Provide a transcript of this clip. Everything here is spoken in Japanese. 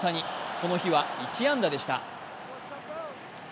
この日は１安打でした。